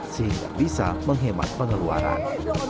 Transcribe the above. sehingga bisa menghemat pengeluaran